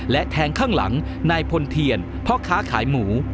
และแทงข้างหลังนายพลเทียนพ่อค้าขายหมู